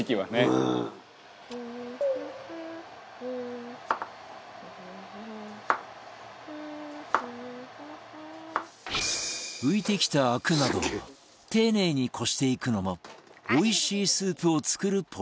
「うん」浮いてきたアクなどを丁寧に濾していくのもおいしいスープを作るポイント